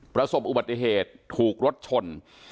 ประสบอุบัติเหตุถูกรถชน